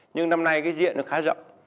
nhưng năm nay cái diện nó khá rộng